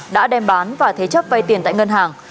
đã đem bán và thế chấp vay tiền tại ngân hàng